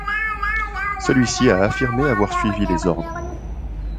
Celui-ci a affirmé avoir suivi les ordres.